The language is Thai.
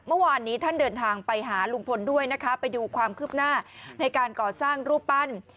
เมื่อวานนี้ท่านเดินทางไปหาลุงพลด้วยนะคะไปดูความคืบหน้าในการก่อสร้างรูปปั้น